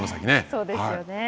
そうですよね。